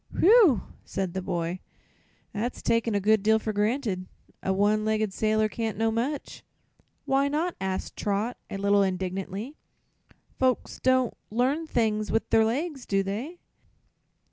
"Whew!" said the boy; "that's taking a good deal for granted. A one legged sailor can't know much." "Why not?" asked Trot, a little indignantly. "Folks don't learn things with their legs, do they?"